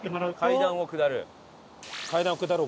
階段下る。